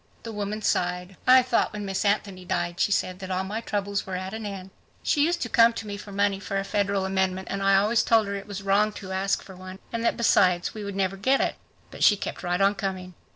The woman sighed. "I thought when Miss Anthony died," she said, "that all my troubles were at an end. She used to come to me for money for a federal amendment and I always told her it was wrong to ask for one, and that besides we would never get it. But she kept right on coming.